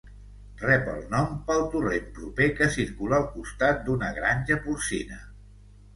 Rep el nom pel torrent proper que circula al costat d'una granja porcina.